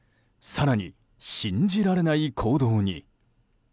更に、信じられない行動に。